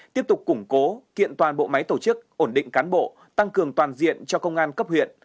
tiếp tục củng cố kiện toàn bộ máy tổ chức ổn định cán bộ tăng cường toàn diện cho công an cấp huyện